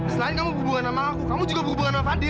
selain kamu hubungan sama aku kamu juga berhubungan sama fadli